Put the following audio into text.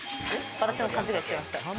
私も勘違いしてました。